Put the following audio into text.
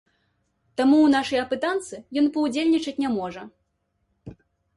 Таму ў нашай апытанцы ён паўдзельнічаць не можа.